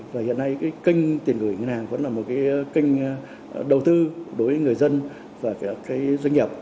và hiện nay cái kênh tiền gửi ngân hàng vẫn là một cái kênh đầu tư đối với người dân và các doanh nghiệp